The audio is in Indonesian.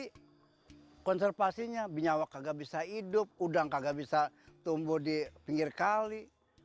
bambu konservasinya binyawa tidak bisa hidup udang tidak bisa tumbuh di pinggir kali